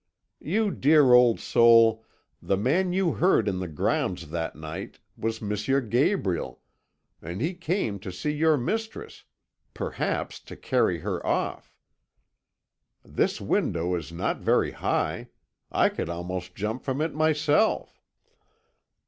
You dear old soul, the man you heard in the grounds that night was M. Gabriel, and he came to see your mistress perhaps to carry her off! This window is not very high; I could almost jump from it myself."